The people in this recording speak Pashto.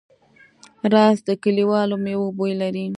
رس د کلیوالو مېوو بوی لري